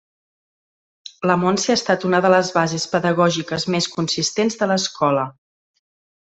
La Montse ha estat una de les bases pedagògiques més consistents de l’escola.